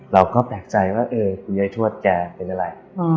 เราก็แปลกใจว่าคุณยายทวดแกเป็นอะไร